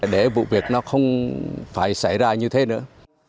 để vụ việc nó không phải xảy ra như thế nữa